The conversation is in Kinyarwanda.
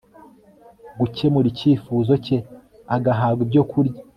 gukemura icyifuzo cye agahabwa ibyokurya